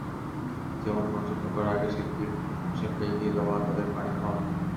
যেমন মঞ্চে ঢোকার আগে শিল্পীর পোশাকটা এগিয়ে দেওয়া, তাঁদের পানি খাওয়ানো।